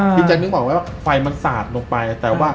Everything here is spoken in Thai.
พี่จัดนึกบอกไว้ว่าไฟมันสาดลงไป